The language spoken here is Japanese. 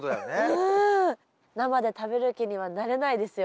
生で食べる気にはなれないですよね。